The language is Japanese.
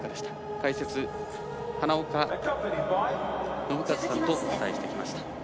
解説、花岡伸和さんとお伝えしてきました。